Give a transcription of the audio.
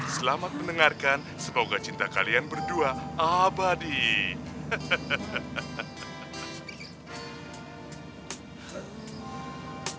selamat mendengarkan semoga cinta kalian berdua abadi